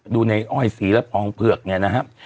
ดูในอ้อยสีและพองเผือกเนี่ยนะครับ